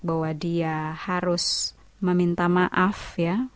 bahwa dia harus meminta maaf ya